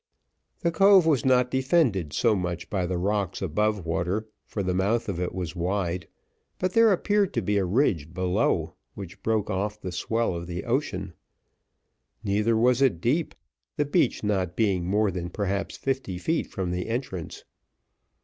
The cove was not defended so much by the rocks above water, for the mouth of it was wide; but there appeared to be a ridge below, which broke off the swell of the ocean. Neither was it deep, the beach not being more than perhaps fifty feet from the entrance.